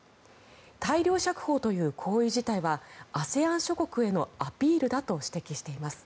大量釈放という行為自体はＡＳＥＡＮ諸国へのアピールだと指摘しています。